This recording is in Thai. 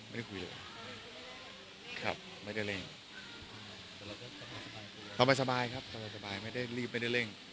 ไม่ได้คุยเลยครับไม่ได้เร่งแต่เราก็สบายครับสบายไม่ได้รีบไม่ได้เร่ง